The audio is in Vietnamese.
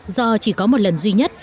do chỉ có một lần duy nhất